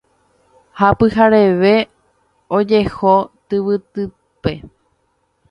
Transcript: ha pyhareve ojeho tyvytýpe